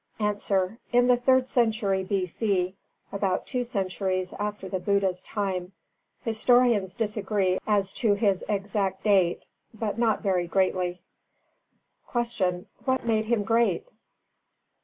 _ A. In the third century B.C., about two centuries after the Buddha's time. Historians disagree as to his exact date, but not very greatly. 291. Q. _What made him great?